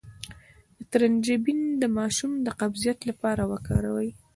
د ترنجبین د ماشوم د قبضیت لپاره وکاروئ